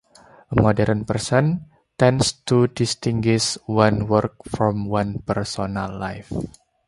A modern person tends to distinguish one's work from one's personal life.